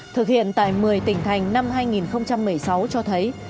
thực hiện tại một mươi tỉnh thành năm hai nghìn một mươi sáu cho thấy